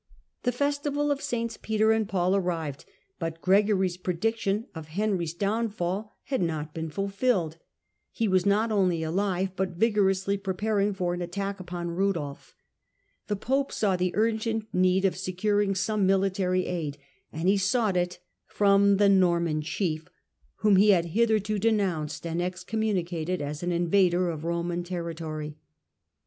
The festival of SS. Peter and Paul arrived, butv Gregory's prediction of Henry's downfall had not been fulfilled, ^^©w^ not only alive, but vigorously preparing for anattack upon Rudolf. The pope saw the urgent nee d of secu ring some military aid, and he sought it from the ^Torman chieFl^lIom he had hitherto denounced and excommunicated as an^ invader of Roman territory.